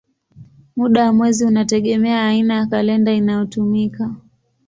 Muda wa mwezi unategemea aina ya kalenda inayotumika.